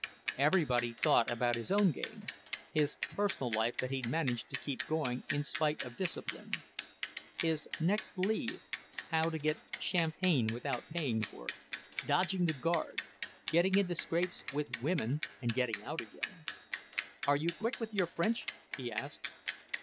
Everybody thought about his own game, his personal life that he managed to keep going in spite of discipline; his next leave, how to get champagne without paying for it, dodging the guard, getting into scrapes with women and getting out again. "Are you quick with your French?" he asked.